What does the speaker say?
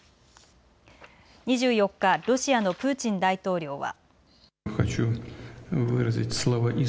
２４日、ロシアのプーチン大統領は。